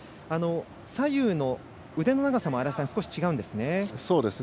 左右の腕の長さも少し違うんですね。